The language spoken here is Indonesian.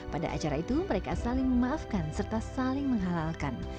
pada acara itu mereka saling memaafkan serta saling menghalalkan